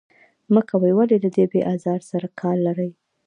مه کوئ، ولې له دې بې آزار سره کار لرئ.